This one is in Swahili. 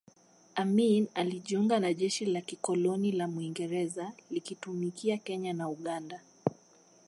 Amin alijiunga na jeshi la kikoloni la Mwingereza likitumikia Kenya na Uganda